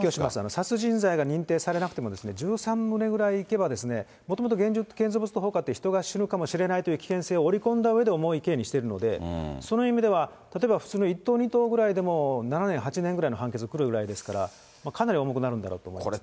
殺人罪が認定されなくても、１３棟ぐらいいけば、もともと現住建造物放火って、死ぬかもしれないという危険性を織り込んだうえで重い刑にしているので、その意味では、例えば普通の１棟２棟ぐらいでも７年、８年ぐらいの判決くるぐらいですから、かなり重くなるんだと思いますね。